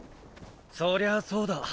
そりゃあそうだ。